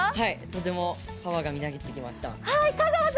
とてもパワーがみなぎってきました。